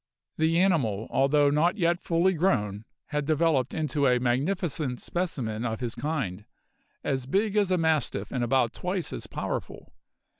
The animal, although not yet fully grown, had developed into a magnificent specimen of his kind, as big as a mastiff and about twice as powerful.